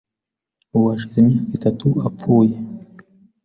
Ubu hashize imyaka itatu apfuye.